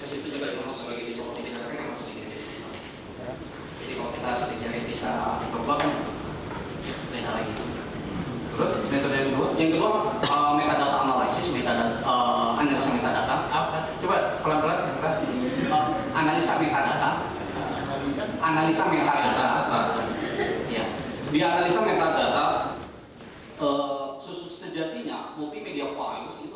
has itu juga dipermasukkan sebagai jawabannya secara realistik